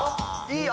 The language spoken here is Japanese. いい！